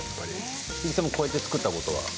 鈴木さんもこうやって作ったことは？